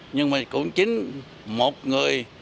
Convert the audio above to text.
nhưng mà cũng chính một người